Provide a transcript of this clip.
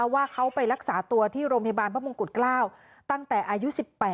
ว่าเขาไปรักษาตัวที่โรงพยาบาลพระมงกุฎเกล้าตั้งแต่อายุ๑๘